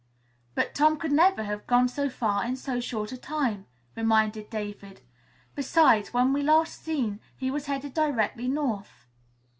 "But Tom could never have gone so far away in so short a time," reminded David. "Besides, when last seen he was headed directly north."